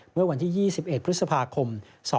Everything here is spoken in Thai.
เมื่อวันที่๒๑พฤษภาคม๒๕๖